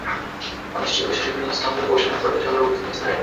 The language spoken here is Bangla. অনিশ্চয়তা শেষে তিনি ইস্তাম্বুল পৌঁছান এবং পরদিন সকালে অভ্যুত্থান ভেস্তে যায়।